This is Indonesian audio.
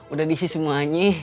udah disih semuanya